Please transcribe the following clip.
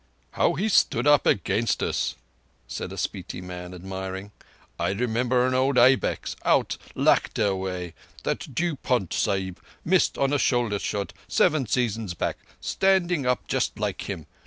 "How he stood up against us!" said a Spiti man admiring. "I remember an old ibex, out Ladakh way, that Dupont Sahib missed on a shoulder shot, seven seasons back, standing up just like him.